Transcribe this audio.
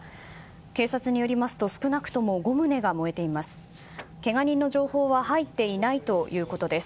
警察によりますと少なくとも５棟が燃えています。